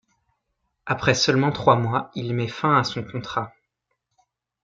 Après seulement trois mois, il met fin à son contrat.